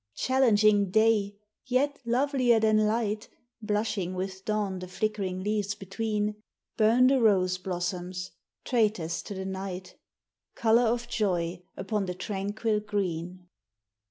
Challenging day, yet, lovelier than light, Blushing with dawn the flick'ring leaves between, Burn the rose blossoms, traitors to the night Color of joy upon the tranquil green.